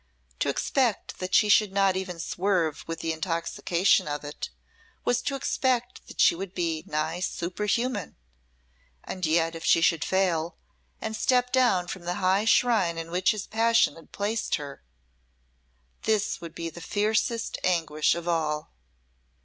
To expect that she should not even swerve with the intoxication of it, was to expect that she should be nigh superhuman, and yet if she should fail, and step down from the high shrine in which his passion had placed her, this would be the fiercest anguish of all.